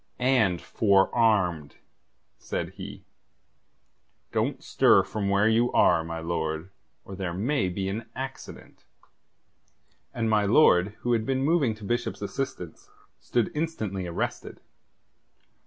"And forearmed," said he. "Don't stir from where you are, my lord, or there may be an accident." And my lord, who had been moving to Bishop's assistance, stood instantly arrested.